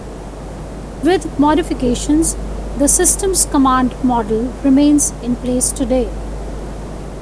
With modifications, the systems-command model remains in place today.